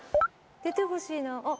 出てほしいなあっ。